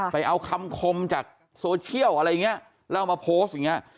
ไปเอาคำคมจากโซเชียลอะไรอย่างนี้แล้วเอามาโพสต์อย่างนี้